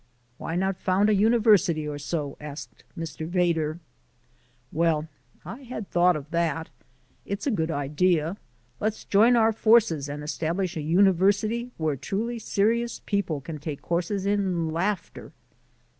"Why not found a university or so?" asked Mr. Vedder. "Well, I had thought of that. It's a good idea. Let's join our forces and establish a university where truly serious people can take courses in laughter."